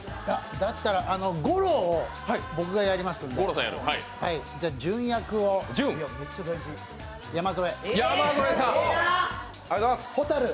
だったら五郎を僕がやりますんで純役を、山添。